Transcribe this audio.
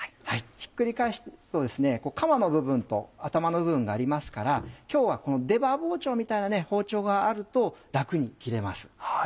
ひっくり返すとカマの部分と頭の部分がありますから今日はこの出刃包丁みたいな包丁があると楽に切れます。